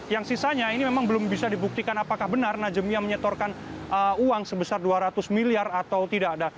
yang sisanya ini memang belum bisa dibuktikan apakah benar najemiah menyetorkan uang sebesar dua ratus miliar atau tidak ada